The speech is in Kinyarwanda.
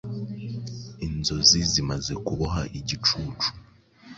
Inzozi zimaze kuboha igicucu